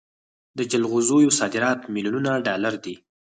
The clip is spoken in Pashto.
د جلغوزیو صادرات میلیونونه ډالر دي.